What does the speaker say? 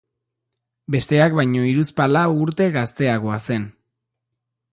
Besteak baino hiruzpalau urte gazteagoa zen.